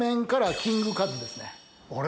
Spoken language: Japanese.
あれ？